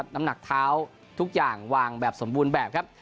น้ำหนักเท้าทุกอย่างวางแบบสมบูรณ์แบบครับ